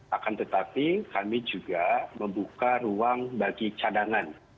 akan tetapi kami juga membuka ruang bagi cadangan